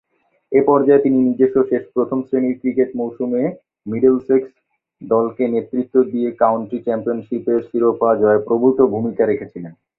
এ পর্যায়ে তিনি নিজস্ব শেষ প্রথম-শ্রেণীর ক্রিকেট মৌসুমে মিডলসেক্স দলকে নেতৃত্ব দিয়ে কাউন্টি চ্যাম্পিয়নশীপের শিরোপা জয়ে প্রভূতঃ ভূমিকা রেখেছিলেন।